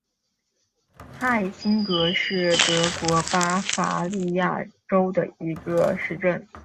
泰辛格是德国巴伐利亚州的一个市镇。